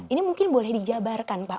ini mungkin boleh dijabarkan pak